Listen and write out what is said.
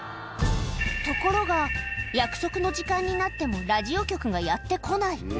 ところが、約束の時間になってもラジオ局がやって来ない。